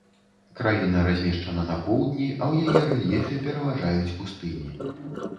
Краіна размешчана на поўдні, а ў яе рэльефе пераважаюць пустыні.